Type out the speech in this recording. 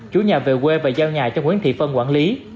chú nhà về quê và giao nhà cho nguyễn thị phân quản lý